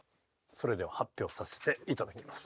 それでは発表させていただきます。